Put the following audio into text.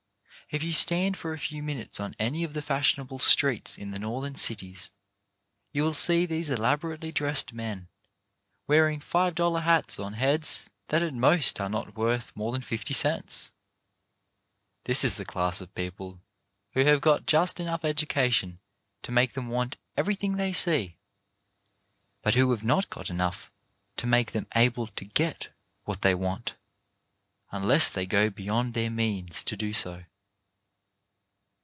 If you stand for a few minutes on any of the fashionable streets in the Northern cities, you will see these elaborately dressed men, wearing five dollar hats on heads that at most are not worth more than fifty cents. This is the class of people who have got just enough education to make them want everything they see, but who have not got enough to make them able to get what they want unless they go beyond their means to do so.